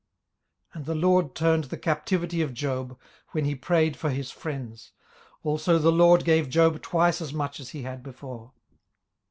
18:042:010 And the LORD turned the captivity of Job, when he prayed for his friends: also the LORD gave Job twice as much as he had before.